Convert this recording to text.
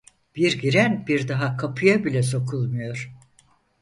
Bir giren bir daha kapıya bile sokulmuyor.